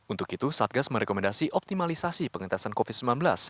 untuk itu satgas merekomendasi optimalisasi pengentesan covid sembilan belas